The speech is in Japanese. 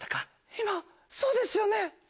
今そうですよね？